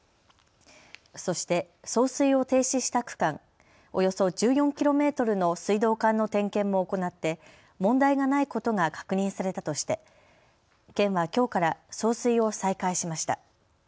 そして送水を停止した区間、およそ１４ｋｍの水道管の点検も行って問題がないことが確認されたとして県はきょうから送水を再開しました。